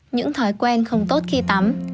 những thói quen không tốt khi tắm